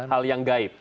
hal yang gaib